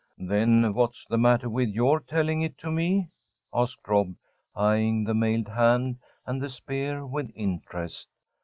"Then what's the matter with your telling it to me?" asked Rob, eying the mailed hand and the spear with interest.